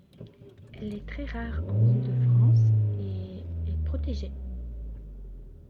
Elle est très rare en Île-de-France et est protégée.